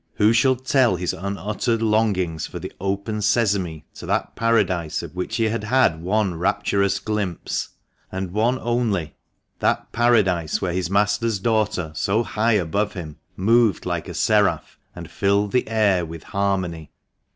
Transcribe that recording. who shall tell his unuttered longings for the "Open Sesame I" to that paradise of which he had had one rapturous glimpse, and one only — that paradise where his master's daughter, so high above him, moved like a seraph, and filled the air with harmony